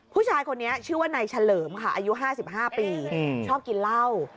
ผู้ชายคนนี้ชื่อว่านายเฉลิมค่ะอายุ๕๕ปีชอบกินเหล้า